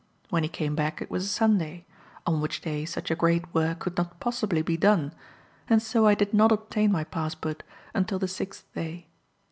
When he came back, it was a Sunday; on which day such a great work could not possibly be done, and so I did not obtain my passport until the sixth day.